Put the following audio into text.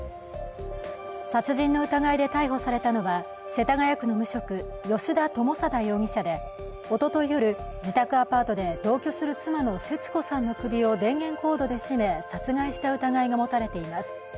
殺人の疑いで逮捕されたのは世田谷区の無職、吉田友貞容疑者でおととい夜、自宅アパートで同居する妻の節子さんの首を電源コードで絞め、殺害した疑いが持たれています。